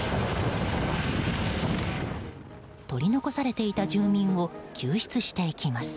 取り残されていた住民を救出していきます。